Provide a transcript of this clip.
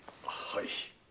はい。